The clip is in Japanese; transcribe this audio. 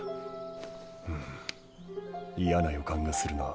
うん嫌な予感がするな。